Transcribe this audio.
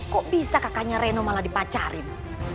kok bisa kakaknya reno malah dipancarin